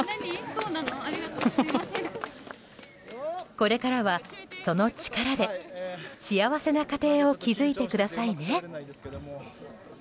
これからは、その力で幸せな家庭を築いてくださいね。